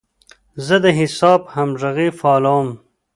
زه د حساب همغږي فعالوم.